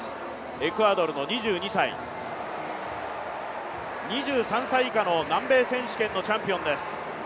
エクアドルの２２歳、２３歳以下の南米選手権のチャンピオンです。